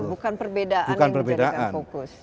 bukan perbedaan yang dijadikan fokus